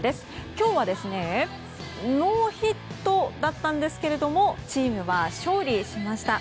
今日はノーヒットだったんですがチームは勝利しました。